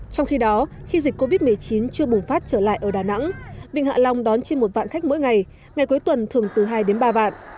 trong khi đó khi dịch covid một mươi chín chưa bùng phát trở lại ở đà nẵng vịnh hạ long đón trên một vạn khách mỗi ngày ngày cuối tuần thường từ hai đến ba vạn